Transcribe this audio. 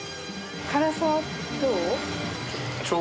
辛さはどう？